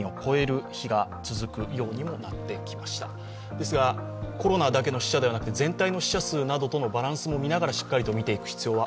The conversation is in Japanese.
ですがコロナだけの死者ではなくて全体の死者数とのバランスを見ながら見ていく必要が